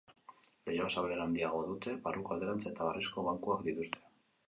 Leihoak zabalera handiago dute barruko alderantz eta harrizko bankuak dituzte.